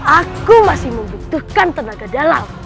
aku masih membutuhkan tenaga dalam